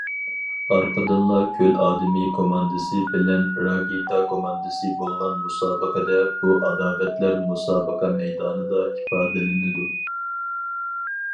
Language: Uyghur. ئارقىدىنلا كۆل ئادىمى كوماندىسى بىلەن راكېتا كوماندىسى بولغان مۇسابىقىدە بۇ ئاداۋەتلەر مۇسابىقە مەيدانىدا ئىپادىلىنىدۇ.